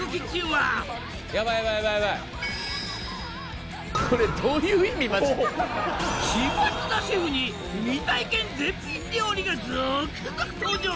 マジで奇抜なシェフに未体験絶品料理が続々登場！